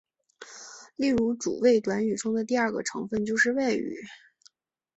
例如主谓短语中的第二个成分就是谓语。